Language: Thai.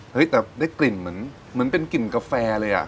เฮ้ยแต่ได้กลิ่นเหมือนเป็นกลิ่นกาแฟเลยอ่ะ